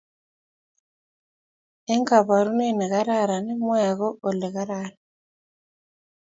Eng'kabarunet ne karan mwea ko ole karan